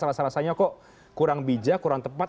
alas alasannya kok kurang bijak kurang tepat